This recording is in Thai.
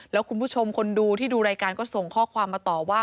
แล้วคุณผู้ชมคนดูที่ดูรายการก็ส่งข้อความมาต่อว่า